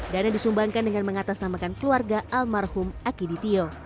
dana disumbangkan dengan mengatasnamakan keluarga almarhum akidi tio